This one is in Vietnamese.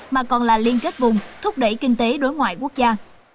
mà còn là liên kết vùng thúc đẩy kinh tế đối ngoại quốc gia